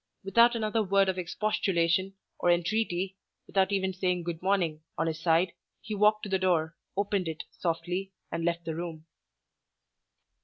Without another word of expostulation or entreaty, without even saying "Good morning" on his side, he walked to the door, opened it, softly, and left the room.